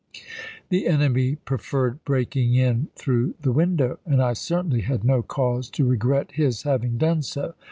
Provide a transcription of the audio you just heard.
The enemy preferred breaking in through the ^ton?8" ' window,' and I certainly had no cause to regret American his having done so."